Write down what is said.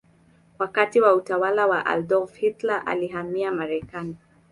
Wakati wa utawala wa Adolf Hitler alihamia Marekani.